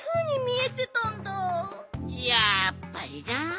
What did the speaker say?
やっぱりな。